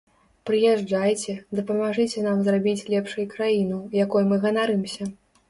Прыязджайце, дапамажыце нам зрабіць лепшай краіну, якой мы ганарымся!